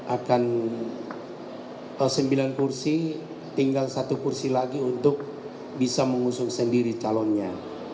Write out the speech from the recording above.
akan sembilan kursi tinggal satu kursi lagi untuk bisa mengusung sendiri calonnya